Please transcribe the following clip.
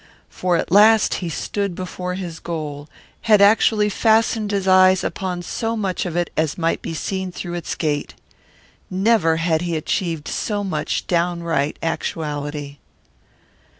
For at last he stood before his goal, had actually fastened his eyes upon so much of it as might be seen through its gate. Never had he achieved so much downright actuality.